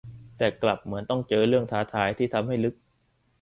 แต่กลับเหมือนต้องเจอเรื่องท้าทายที่ทำให้ลึก